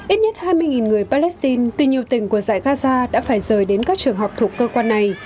ít nhất hai mươi người palestine từ nhiều tỉnh của giải gaza đã phải rời đến các trường học thuộc cơ quan này